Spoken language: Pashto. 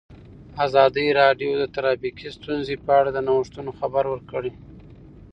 ازادي راډیو د ټرافیکي ستونزې په اړه د نوښتونو خبر ورکړی.